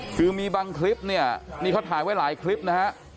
คือมีบางคลิปเนี่ยนี่เขาถ่ายไว้หลายคลิปนะฮะ